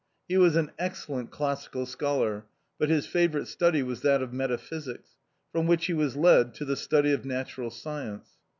He was an excellent classical scholar, but his favourite study was that of metaphysics, from which he was led to the study of natural science.